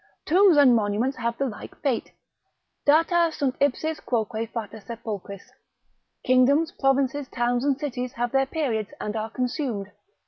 Tombs and monuments have the like fate, data sunt ipsis quoque fata sepulchris, kingdoms, provinces, towns, and cities have their periods, and are consumed.